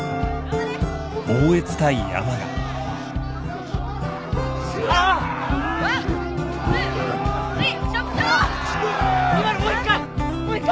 もう１回。